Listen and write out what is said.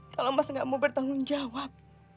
kalau mas gak mau bertanggung jawab